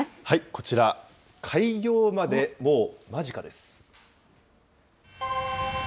こちら、開業までもう間近です。